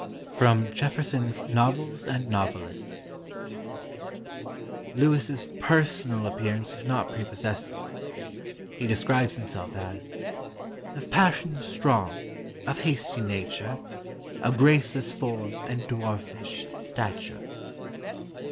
[Sidenote: Jeaffreson's Novels and Novelists.] "Lewis's personal appearance was not prepossessing. He describes himself as 'Of passions strong, of hasty nature, Of graceless form and dwarfish stature.